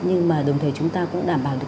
nhưng mà đồng thời chúng ta cũng đảm bảo được